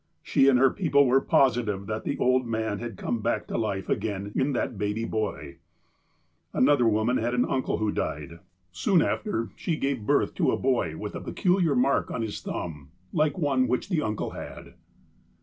She and her people were positive that the old man had come back to life again in that baby boy. Another woman had an uncle who died. Soon after 106 THE APOSTLE OF ALASKA she gave birth to a boy with a peculiar mark on his tliumb, like one which the uncle had.